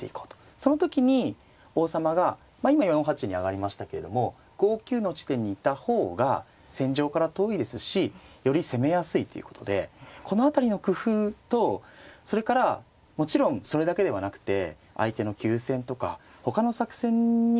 その時に王様がまあ今４八に上がりましたけれども５九の地点にいた方が戦場から遠いですしより攻めやすいということでこの辺りの工夫とそれからもちろんそれだけではなくて相手の急戦とかほかの作戦にも対応しなければいけないですよね。